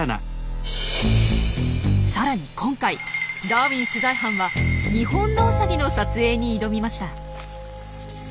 さらに今回ダーウィン取材班は「ニホンノウサギ」の撮影に挑みました。